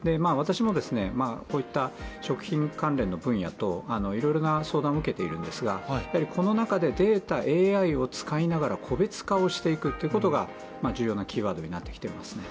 私もこういった食品関連の分野からいろいろな相談を受けているんですがこの中でデータ、ＡＩを使いながら個別化していくということが重要なキーワードになってきています。